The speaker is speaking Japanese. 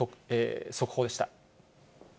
速報でした。